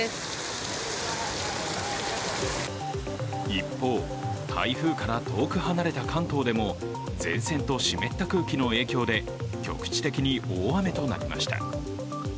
一方、台風から遠く離れた関東でも前線と湿った空気の影響で、局地的に大雨となりました。